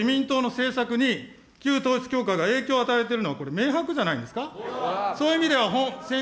政権与党・自民党の政策に旧統一教会が影響を与えているのは、これ明白じゃないですか。